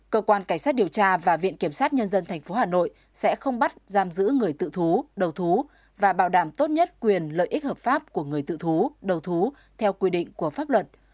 cơ quan cảnh sát điều tra và viện kiểm sát nhân dân tp hà nội sẽ không bắt giam giữ người tự thú đầu thú và bảo đảm tốt nhất quyền lợi ích hợp pháp của người tự thú đầu thú theo quy định của pháp luật